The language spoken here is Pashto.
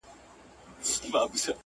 پر انګړ يې د پاتا كمبلي ژاړي٫